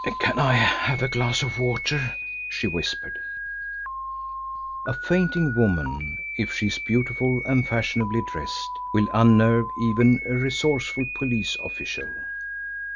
"Can I have a glass of water?" she whispered. A fainting woman, if she is beautiful and fashionably dressed, will unnerve even a resourceful police official.